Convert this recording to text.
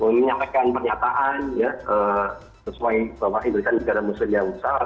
menyampaikan pernyataan sesuai bahwa indonesia negara muslim yang besar